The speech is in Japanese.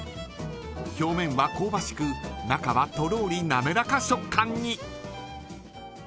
表面は香ばしく中はとろーり滑らか食感に。